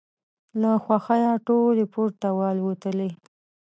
له خوښیه ټولې پورته والوتلې.